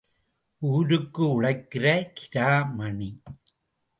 ஊருக்கு உழைக்கிற கிராமணி.